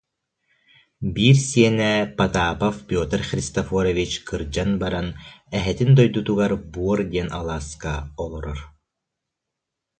Биир сиэнэ, Потапов Петр Христофорович кырдьан баран, эһэтин дойдутугар Буор диэн алааска олорор